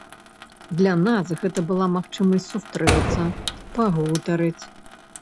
Для нас гэта была магчымасць сустрэцца, пагутарыць.